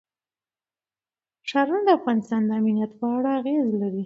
ښارونه د افغانستان د امنیت په اړه اغېز لري.